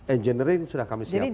engineering sudah kami siapkan